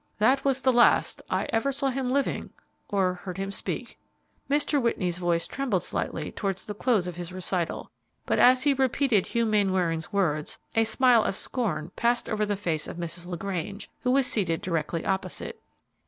That was the last I ever saw him living or heard him speak." Mr. Whitney's voice trembled slightly towards the close of his recital, but as he repeated Hugh Mainwaring's words a smile of scorn passed over the face of Mrs. LaGrange, who was seated directly opposite.